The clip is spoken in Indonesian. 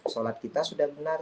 solat kita sudah benar